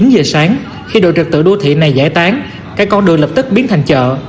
chín giờ sáng khi đội trực tự đô thị này giải tán các con đường lập tức biến thành chợ